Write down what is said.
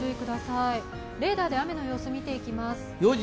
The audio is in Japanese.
レーダーで雨の様子を見ていきます。